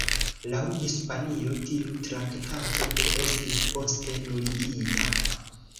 Laŭ Hispanio tiu traktato ne estis poste nuligita.